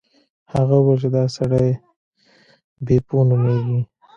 هغه وویل چې دا سړی بیپو نومیږي.